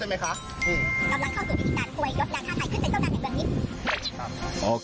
ในค่านี้เรามาดื่มที่ส่วนหลอก